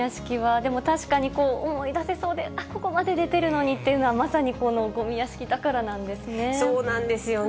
でも確かに、思い出せそうで、あっ、ここまで出てるのにっていうのは、まさにこのごみ屋敷だからなんですね。